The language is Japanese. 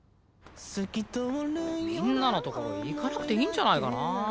みんなのところ行かなくていいんじゃないかな。